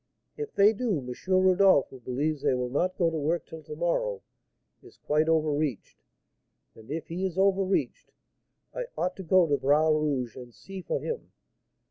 If they do, M. Rodolph, who believes they will not go to work till to morrow, is quite over reached; and if he is over reached, I ought to go to Bras Rouge's and see for him.